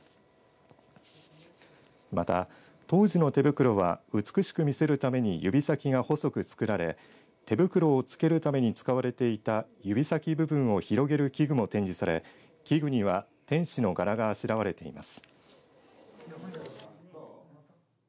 また、当時の手袋は美しく見せるために指先が細く作られ手袋をつけるために使われていた指先部分を広げる器具も展示され器具には天使の柄があしらわれています。